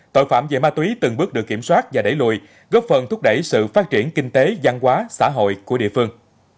tội phạm về ma túy từng bước được kiểm soát và đẩy lùi góp phần thúc đẩy sự phát triển kinh tế giang hóa xã hội của địa phương